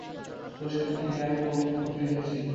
তোর সাথে new year উপভোগ করতে এসেছি!